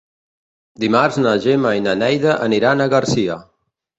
Dimarts na Gemma i na Neida aniran a Garcia.